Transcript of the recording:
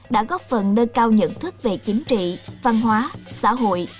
đã góp phần nâng cao nhận thức về chính trị văn hóa xã hội